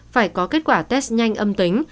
phải có kết quả test nhanh âm tính